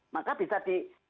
maka bisa di